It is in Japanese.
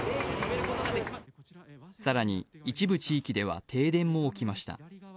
更に、一部地域では停電も起きました。